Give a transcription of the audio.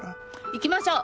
行きましょう！